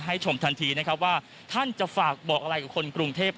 ชมทันทีนะครับว่าท่านจะฝากบอกอะไรกับคนกรุงเทพ